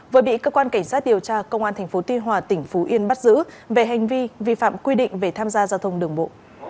vừa bị cơ quan cảnh sát điều tra công an tp tuy hòa tỉnh phú yên bắt giữ về hành vi vi phạm quy định về tham gia giao thông đường bộ